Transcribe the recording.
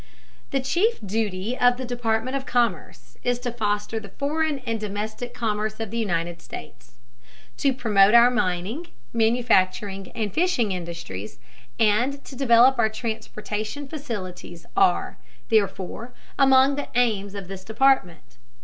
The chief duty of the Department of Commerce is to foster the foreign and domestic commerce of the United States. To promote our mining, manufacturing and fishing industries, and to develop our transportation facilities are, therefore, among the aims of this department.